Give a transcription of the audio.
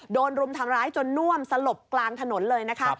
รุมทำร้ายจนน่วมสลบกลางถนนเลยนะคะ